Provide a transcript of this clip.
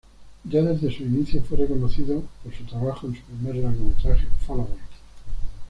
Ya desde sus inicios fue reconocido por su trabajo en su primer largometraje, "Following.